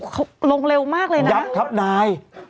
เขาลงเร็วมากเลยนะยับครับนาย